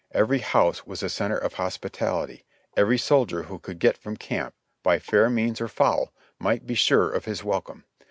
Every house was a center of hospitality; every soldier who could get from camp, by fair means or foul, might be sure of his welcome.